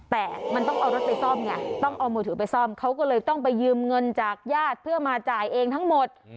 แต่มันต้องเอารถไปซ่อมไงต้องเอามือถือไปซ่อมเขาก็เลยต้องไปยืมเงินจากญาติเพื่อมาจ่ายเองทั้งหมด